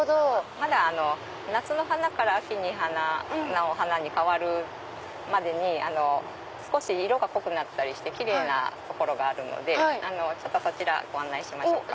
まだ夏の花から秋の花に替わるまでに少し色が濃くなったりしてキレイなところがあるのでそちらご案内しましょうか。